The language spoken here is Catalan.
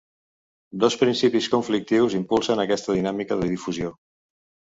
Dos principis conflictius impulsen aquesta dinàmica de difusió.